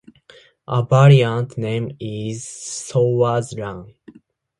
A variant name is "Sawyers Run".